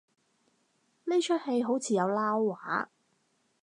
呢齣戲好似有撈話